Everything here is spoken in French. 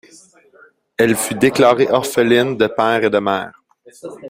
Elle fut déclarée orpheline de père et de mère.